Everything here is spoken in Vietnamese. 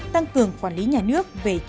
tăng cường quản lý nhà nước về chức năng